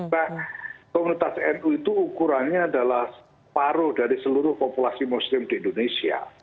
karena komunitas nu itu ukurannya adalah paruh dari seluruh populasi muslim di indonesia